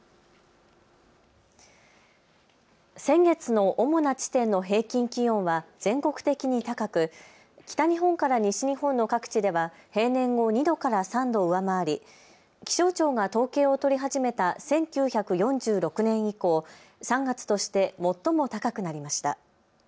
先月の主な地点の平均気温は全国的に高く、北日本から西日本の各地では平年を２度から３度上回り、気象庁が統計を取り始めた１９４６年以降、３月として最も高くなりました。